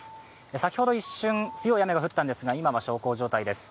先ほど一瞬、強い雨が降ったんですが、今は小康状態です。